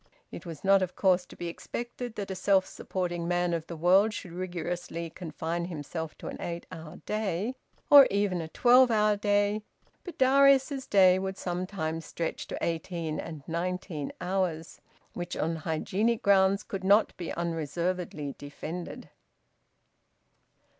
It was not of course to be expected that a self supporting man of the world should rigorously confine himself to an eight hour day or even a twelve hour day, but Darius's day would sometimes stretch to eighteen and nineteen hours: which on hygienic grounds could not be unreservedly defended.